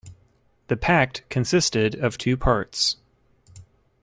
The pact consisted of two parts.